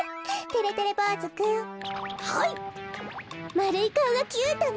まるいかおがキュートね。